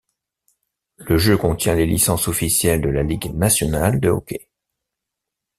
Le jeu contient les licences officielles de la ligue nationale de hockey.